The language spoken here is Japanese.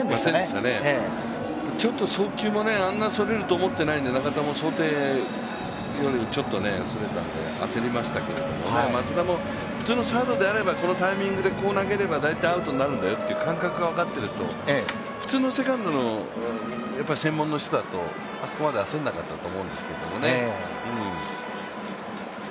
ちょっと送球もあんなそれると思ってないんで中田も想定よりちょっとそれたんで焦りましたけど、松田も普通のサードであれば、このタイミングでこう投げれば大体アウトになるんだよという感覚が分かっていると、普通のセカンドの専門の人だとあそこまで焦らなかったと思うんですけどね。